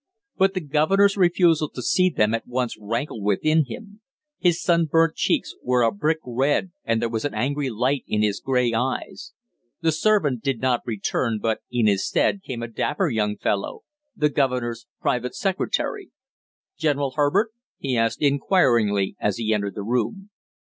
But the governor's refusal to see them at once rankled within him. His sunburnt cheeks were a brick red and there was an angry light in his gray eyes. The servant did not return, but in his stead came a dapper young fellow, the governor's private secretary. "General Herbert?" he asked inquiringly, as he entered the room.